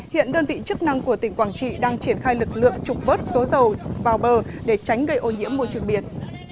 hiện đơn vị chức năng của tỉnh quảng trị đang triển khai lực lượng trục vớt số dầu vào bờ để tránh gây ô nhiễm môi trường biển